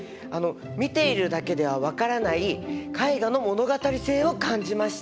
見ているだけでは分からない絵画の物語性を感じました。